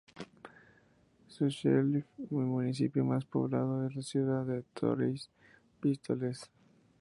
Su chef-lieu y municipio más poblado es la ciudad de Trois-Pistoles.